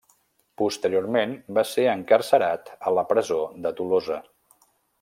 Posteriorment va ser encarcerat a la presó de Tolosa.